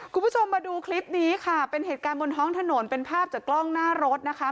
คุณผู้ชมมาดูคลิปนี้ค่ะเป็นเหตุการณ์บนท้องถนนเป็นภาพจากกล้องหน้ารถนะคะ